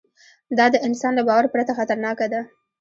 دا د انسان له باور پرته خطرناکه ده.